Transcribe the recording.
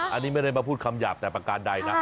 อันนี้ไม่ได้มาพูดคำหยาบแต่ประการใดนะ